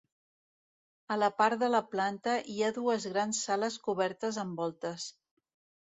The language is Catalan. A la part de la planta hi ha dues grans sales cobertes amb voltes.